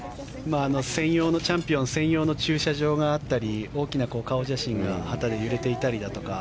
チャンピオン専用の駐車場があったり大きな顔写真が旗で揺れていたりだとか